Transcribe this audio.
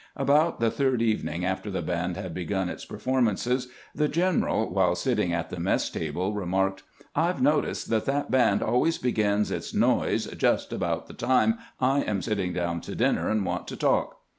About the third evening after the band had begun its performances, the general, while sitting at the mess table, remarked :" I 've noticed that that band always begins its noise just about the time I am sitting down to dinner and want to talk."